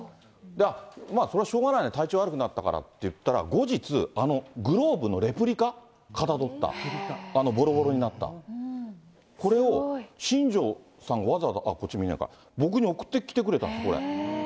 あっ、まあ、そりゃしょうがないな、体調悪くなったからっていったら、後日、あのグローブのレプリカ、かたどった、あのぼろぼろになった、これを新庄さんがわざわざ、こっち見えないか、僕に送ってきてくれたんです、これ。